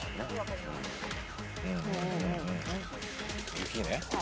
雪ね。